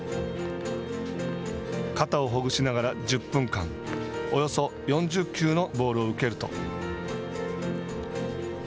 肩をほぐしながら１０分間およそ４０球のボールを受けると。